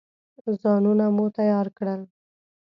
ځانونه مو تیار کړل.